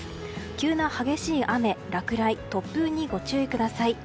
急な激しい雨落雷、突風にご注意ください。